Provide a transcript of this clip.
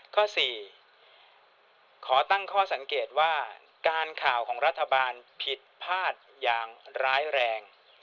ข้อ๔ขอตั้งข้อสังเกตว่าการข่าวของรัฐบาลผิดพลาดอย่างร้ายแรง